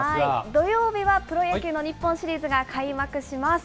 土曜日はプロ野球の日本シリーズが開幕します。